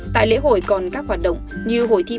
tại lễ hội còn các hoạt động như hồi thi bánh